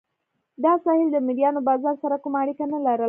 دا ساحل د مریانو بازار سره کومه اړیکه نه لرله.